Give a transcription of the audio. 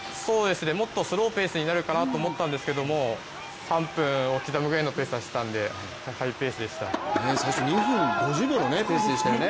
もっとスローペースになるかなと思っていたんですけど３分を刻むぐらいのペースで走っていたので最初、２分５０秒のペースでしたよね。